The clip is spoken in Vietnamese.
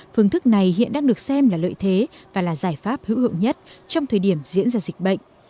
phương thức này hiện đang được xem là lợi thế và là giải pháp hữu hiệu nhất trong thời điểm diễn ra dịch bệnh